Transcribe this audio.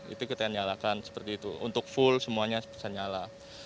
itu kita yang nyalakan seperti itu untuk full semuanya bisa nyala